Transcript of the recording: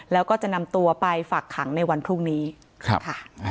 แล้วก็จะนำตัวไปฝากขังในวันพรุ่งนี้ค่ะ